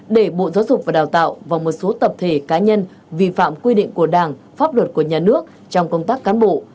để bộ giáo dục và đào tạo và một số tập thể cá nhân vi phạm quy định của đảng pháp luật của nhà nước trong công tác cán bộ